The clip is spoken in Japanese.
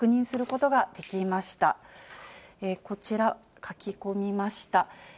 こちら、書き込みました。